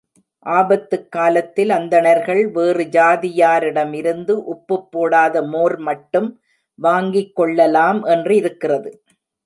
ஆபத்துக்காலத்தில், அந்தணர்கள் வேறு ஜாதியாரிடமிருந்து உப்புப் போடாத மோர் மட்டும் வாங்கிக் கொள்ளலாம் என்றிருக்கிறது.